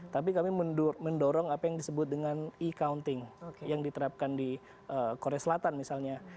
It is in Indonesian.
tapi kami mendorong apa yang disebut dengan e counting yang diterapkan di korea selatan misalnya